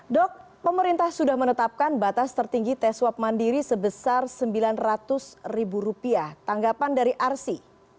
dok pemerintah sudah menetapkan batas tertinggi tes swab mandiri sebesar rp sembilan ratus tanggapan dari arsi